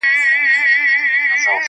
د هر چا چي وي په لاس کي تېره توره-